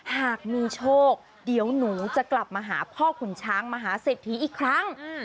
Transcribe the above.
หากมีโชคเดี๋ยวหนูจะกลับมาหาพ่อขุนช้างมหาเศรษฐีอีกครั้ง